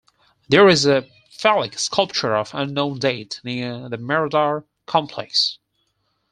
There is a phallic sculpture of unknown date near the Mirador Complex.